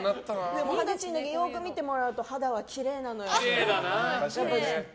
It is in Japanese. でも二十歳の時をよく見てもらうと肌はきれいなのよね。